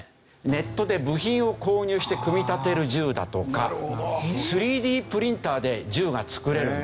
ネットで部品を購入して組み立てる銃だとか３Ｄプリンターで銃が作れるんですよ。